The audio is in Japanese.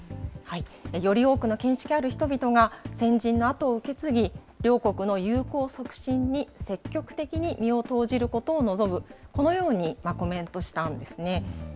より多くの見識ある人々が先人のあとを受け継ぎ、両国の友好促進に積極的に身を投じることを望む、このようにコメントしたんですね。